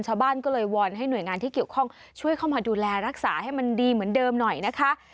ชาวบ้านก็เลยวอนให้หน่วยงานที่เกี่ยวข้องช่วยเข้ามาดูแลรักษาให้มันดีเหมือนเดิมหน่อยนะคะ